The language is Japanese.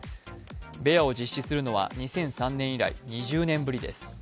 ベアを実施するのは２００３年以来、２０年ぶりです。